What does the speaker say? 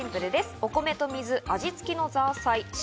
お米と水、味付きのザーサイ、塩。